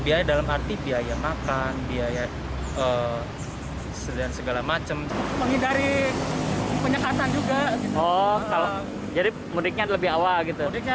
seandainya kita sudah pulang kampung